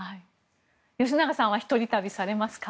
吉永さんは一人旅されますか？